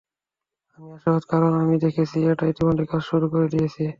আমি আশাবাদী, কারণ আমি দেখেছি, এটা ইতিমধ্যেই কাজ শুরু করে দিয়েছে।